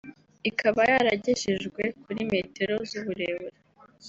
ikaba yaragejejwe kuri metero z’uburebure